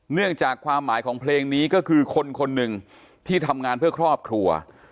เนื่องจากความหมายของเพลงนี้ก็คือคนคนหนึ่งที่ทำงานเพื่อครอบครัว